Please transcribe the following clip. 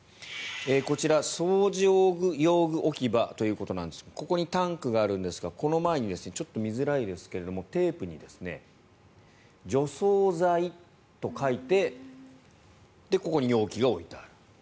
こちら、掃除用具置き場ということなんですがここにタンクがあるんですがこの前にちょっと見づらいですがテープに除草剤と書いてここに容器が置いてある。